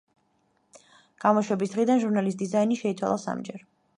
გამოშვების დღიდან, ჟურნალის დიზაინი შეიცვალა სამჯერ.